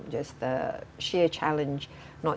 dan tantangan yang sangat berat